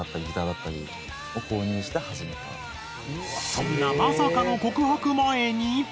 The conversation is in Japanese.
そんなまさかの告白前に。